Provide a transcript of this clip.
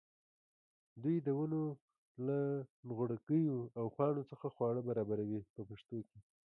دوی د ونو له نغوړګیو او پاڼو څخه خواړه برابروي په پښتو کې.